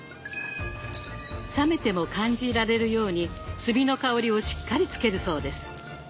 冷めても感じられるように炭の香りをしっかりつけるそうです。